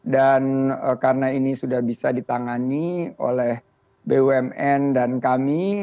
dan karena ini sudah bisa ditangani oleh bumn dan kami